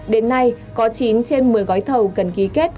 đến nay có chín trên một mươi gói thầu cần ký kết